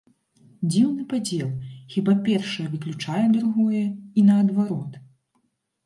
Дзіўны падзел, хіба першае выключае другое, і наадварот?